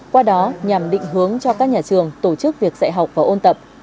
qua đó nhằm định hướng cho các nhà trường tổ chức việc dạy học và ôn tập